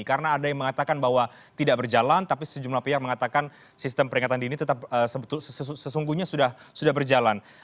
karena ada yang mengatakan bahwa tidak berjalan tapi sejumlah pihak mengatakan sistem peringatan dini sesungguhnya sudah berjalan